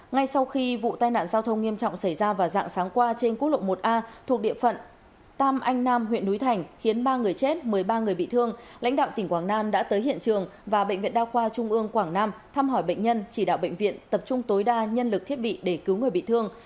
ngay sau khi vụ tai nạn giao thông nghiêm trọng xảy ra vào dạng sáng qua trên quốc lộ một a thuộc địa phận tam anh nam huyện núi thành khiến ba người chết một mươi ba người bị thương lãnh đạo tỉnh quảng nam đã tới hiện trường và bệnh viện đa khoa trung ương quảng nam thăm hỏi bệnh nhân chỉ đạo bệnh viện tập trung tối đa nhân lực thiết bị để cứu người bị thương